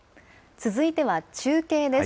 続いては、中継です。